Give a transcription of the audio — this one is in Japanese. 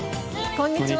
こんにちは。